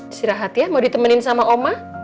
istirahat ya mau ditemenin sama oma